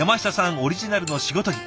オリジナルの仕事着。